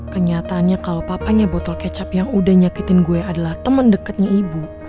kenyataannya kalau papanya botol kecap yang udah nyakitin gue adalah temen deketnya ibu